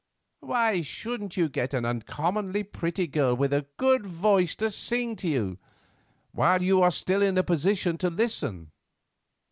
Why shouldn't you get an uncommonly pretty girl with a good voice to sing to you—while you are still in a position to listen?